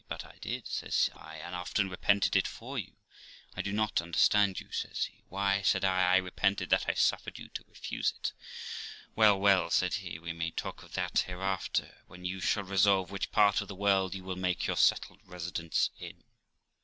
'But I did', says I; 'and often repented it for you.' 'I do not understand you', says he. 'Why', said I, 'I repented that I suffered you to refuse it.' 'Well, well', said he, 'we may talk of that hereafter, when you shall resolve which part of the world you will make your settled residence in.'